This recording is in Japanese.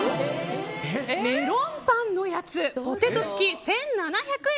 メロンパンのやつポテト付き、１７００円。